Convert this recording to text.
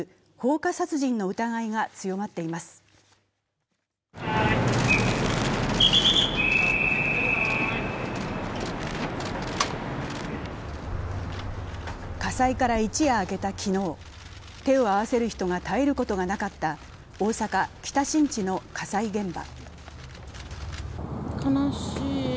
火災から一夜明けた昨日、手を合わせる人が絶えることがなかった大阪・北新地の火災現場。